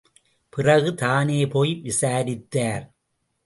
பிறகு தானே போய் விசாரித்தார்.